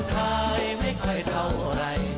ขอบคุณทุกคน